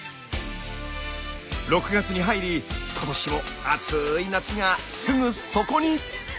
６月に入り今年も暑い夏がすぐそこに！